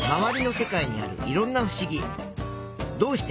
どうして？